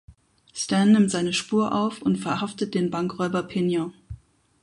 Stan nimmt seine Spur auf und verhaftet den Bankräuber Pignon.